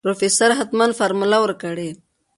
پروفيسر حتمن فارموله ورکړې.